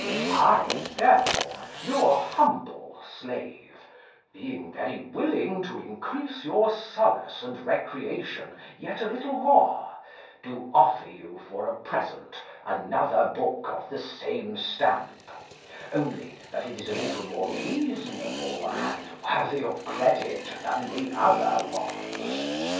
I therefore, your humble slave, being very willing to increase your solace and recreation yet a little more, do offer you for a present another book of the same stamp, only that it is a little more reasonable and worthy of credit than the other was.